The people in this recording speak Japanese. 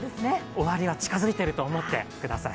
終わりは近付いていると思ってください。